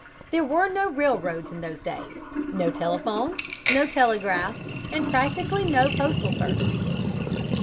There were no railroads in those days, no telephones, no telegraph, and practically no postal service.